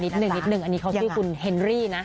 นิดนึงนิดนึงอันนี้เขาชื่อคุณเฮนรี่นะ